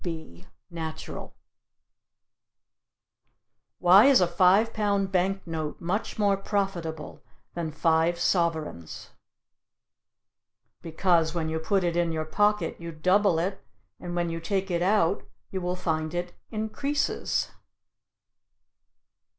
B natural. Why is a five pound bank note much more profitable than five sovereigns? Because when you put it in your pocket you double it, and when you take it out you will find it increases.